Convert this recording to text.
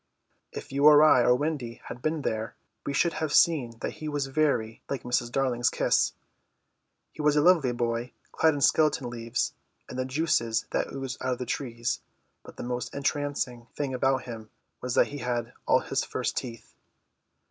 If you or I or Wendy had been there we should have seen that he was very like Mrs. Darling's kiss. He was a lovely boy, clad in skeleton leaves and the juices that ooze out of trees but the most entrancing thing about him was that he had all his first teeth.